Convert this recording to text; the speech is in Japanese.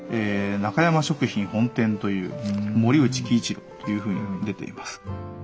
「中山食品本店」という「森内喜一郎」というふうに出ています。